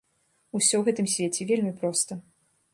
Усё ў гэтым свеце вельмі проста.